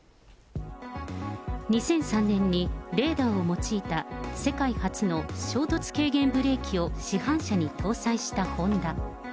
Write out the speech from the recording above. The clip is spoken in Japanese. ２００３年に、レーダーを用いた世界初の衝突軽減ブレーキを市販車に搭載したホンダ。